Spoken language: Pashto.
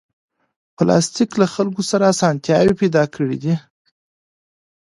پلاستيک له خلکو سره اسانتیاوې پیدا کړې دي.